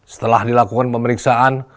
setelah dilakukan pemeriksaan